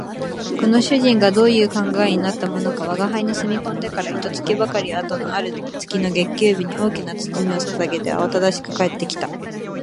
この主人がどういう考えになったものか吾輩の住み込んでから一月ばかり後のある月の月給日に、大きな包みを提げてあわただしく帰って来た